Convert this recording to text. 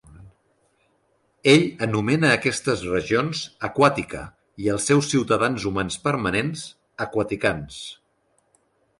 Ell anomena aquestes regions "Aquàtica" i els seus ciutadans humans permanents "Aquaticans".